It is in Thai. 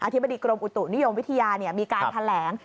ธิบดีกรมอุตุนิยมวิทยามีการแถลง